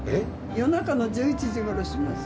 夜中の１１時頃します。